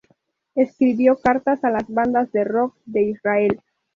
Escribió cartas a las bandas de rock de Israel.